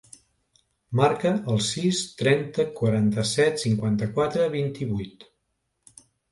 Marca el sis, trenta, quaranta-set, cinquanta-quatre, vint-i-vuit.